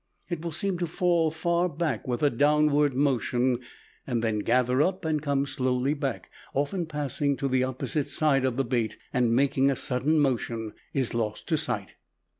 It will seem to fall far back with a downward motion, then gather up and come slowly back, often passing to the opposite side of the bait and making a sudden motion, is lost to sight.